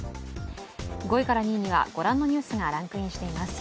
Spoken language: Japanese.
５位から２位にはご覧のニュースがランクインしています。